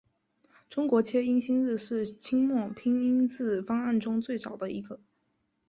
中国切音新字是清末拼音字方案中最早的一种。